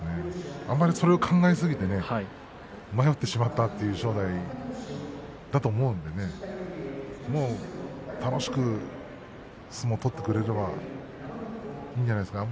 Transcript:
あまり考えすぎて迷ってしまったという正代だと思うので楽しく相撲を取ってくれればいいんじゃないですか。